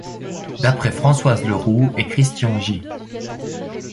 D'après Françoise Le Roux et Christian-J.